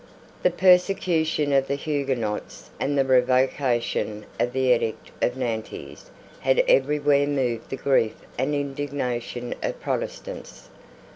The persecution of the Huguenots, and the revocation of the edict of Nantes, had everywhere moved the grief and indignation of Protestants.